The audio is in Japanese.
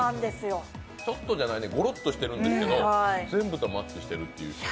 ちょっとじゃないです、ゴロっとしているんですけど、全部とマッチしてる。